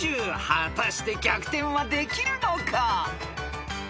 ［果たして逆転はできるのか？］